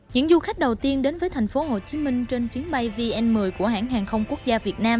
những du khách đầu tiên đến với tp hcm trên chuyến bay vn một mươi của hãng hàng không quốc gia việt nam